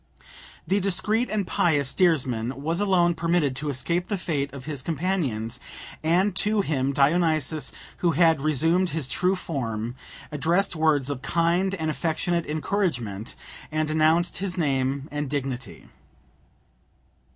The discreet and pious steersman was alone permitted to escape the fate of his companions, and to him Dionysus, who had resumed his true form, addressed words of kind and affectionate encouragement, and announced his name and dignity.